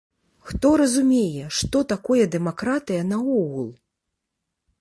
Хто разумее, што такое дэмакратыя наогул?